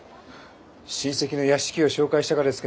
親戚の屋敷を紹介したがです